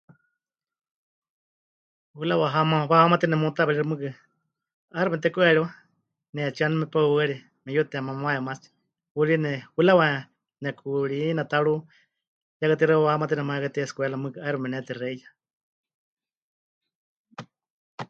Hurawa hama... wahamatɨa nemutaweeríxɨ mɨɨkɨ 'aixɨ mepɨteku'eriwa, nehetsíe waníu nepeuwaɨre, mepɨyutemamaawie maatsi, huri ne... hurawa nekuurí, netaru, ya katixaɨ wahamatɨa nemayekatei escuela mɨɨkɨ 'aixɨ mepɨnetexeiya.